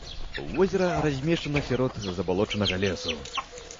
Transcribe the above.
Возера размешчана сярод забалочанага лесу.